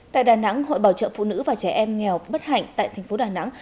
tại đà nẵng hội bảo trợ phụ nữ và trẻ em nghèo bất hạnh tại tp đà nẵng